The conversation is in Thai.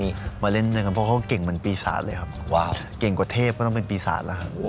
ที่มาของพี่ซาดแบนด์